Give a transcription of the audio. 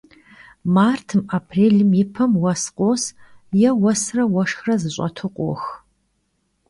Martım, aprêlım yi pem vues khos yê vuesre vueşşxre zeş'etu khox.